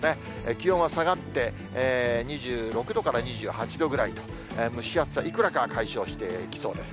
気温は下がって、２６度から２８度ぐらいと、蒸し暑さ、いくらかは解消していきそうです。